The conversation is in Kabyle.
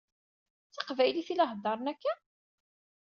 D taqbaylit i la heddeṛen akka?